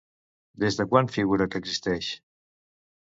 Des de quan figura que existeix?